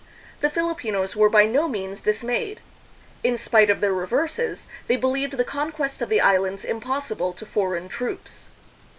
The Filipinos were by no means dismayed. In spite of their reverses, they believed the con quest of the Islands impossible to foreign troops.